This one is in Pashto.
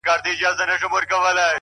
گراني په تا باندي چا كوډي كړي،